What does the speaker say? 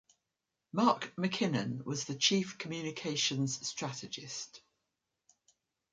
Mark McKinnon was the chief communications strategist.